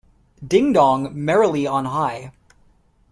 Ding dong merrily on high.